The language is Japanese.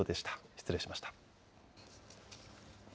失礼しました。